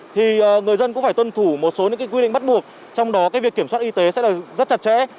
thì người dân cũng phải tuân thủ một số những quy định bắt buộc trong đó cái việc kiểm soát y tế sẽ rất chặt chẽ